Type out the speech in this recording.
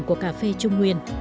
của cà phê trung nguyên